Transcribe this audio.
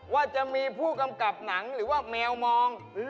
ว่าจะมีผู้กำกับหนังหรือว่าแมวมอง